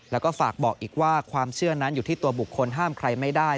แล้วก็ฝากบอกอีกว่าความเชื่อนั้นอยู่ที่ตัวบุคคลห้ามใครไม่ได้